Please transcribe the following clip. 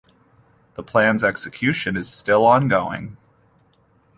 The plan's execution is still ongoing.